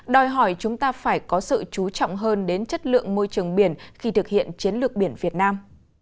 đòi hỏi chúng ta phải có sự chú trọng hơn đến chất lượng môi trường biển khi thực hiện chiến lược biển việt nam